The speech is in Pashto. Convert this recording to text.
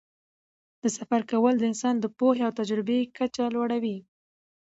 د سفر کول د انسان د پوهې او تجربې کچه لوړوي.